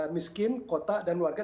miskin kota dan warga